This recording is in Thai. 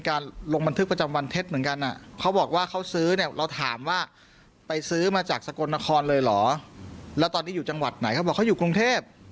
เขาบอกว่าเขาอยู่กรุงเทพฯ